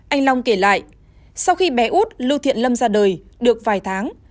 anh long kể lại sau khi bé út lưu thiện lâm ra đời được vài tháng